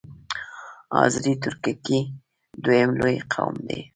آذری ترکګي دویم لوی قوم دی.